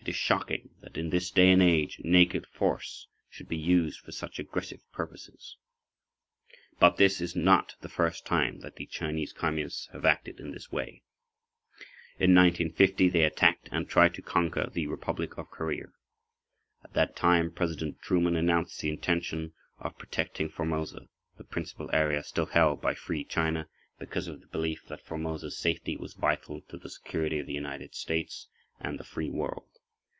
It is shocking that in this day and age naked force should be used for such aggressive purposes. But this is not the first time that the Chinese Communists have acted in this way. In 1950 they attacked and tried to conquer the Republic of Korea. At that time President Truman announced the intention of protecting Formosa, the principal area still held by Free China, [pg 10]because of the belief that Formosa's safety was vital to the security of the United States and the free world.